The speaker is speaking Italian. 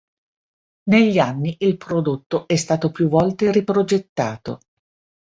Negli anni il prodotto è stato più volte riprogettato.